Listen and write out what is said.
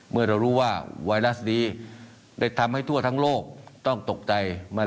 เมื่อเรารู้ว่าไวรัสนี้ได้ทำให้ทั่วทั้งโลกต้องตกใจ